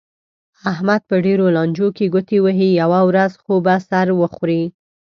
احمد په ډېرو لانجو کې ګوتې وهي، یوه ورځ خو به سر وخوري.